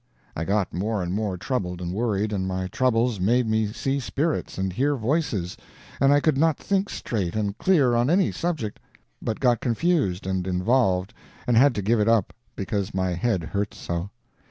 I got more and more troubled and worried, and my troubles made me see spirits and hear voices, and I could not think straight and clear on any subject, but got confused and involved and had to give it up, because my head hurt so.